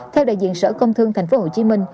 theo đại diện sở công thương tp hcm